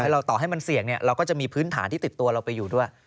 ต่อให้เราต่อให้มันเสี่ยงเนี่ยเราก็จะมีพื้นฐานที่ติดตัวเราไปอยู่ด้วย